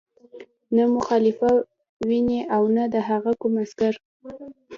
نه مو خلیفه ویني او نه د هغه کوم عسکر.